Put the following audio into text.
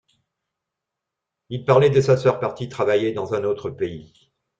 Il parlait de sa sœur partie travailler dans un autre pays.